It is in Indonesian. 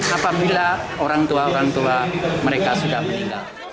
apabila orang tua orang tua mereka sudah meninggal